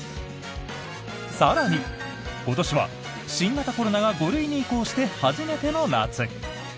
更に、今年は新型コロナが５類に移行して初めての夏。